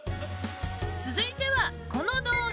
続いてはこの動画。